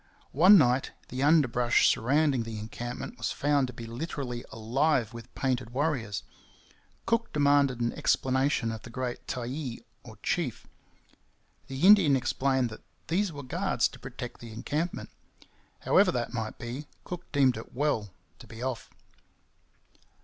One night the underbrush surrounding the encampment was found to be literally alive with painted warriors. Cook demanded an explanation of the grand 'tyee' or chief. The Indian explained that these were guards to protect the encampment. However that might be, Cook deemed it well to be off.